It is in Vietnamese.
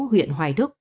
huyện hoài đức